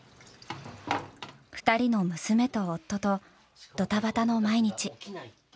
２人の娘と夫とドタバタの毎日。